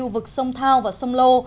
vực sông thao và sông lô